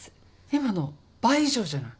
今の倍以上じゃない。